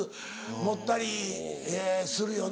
持ったりするよね。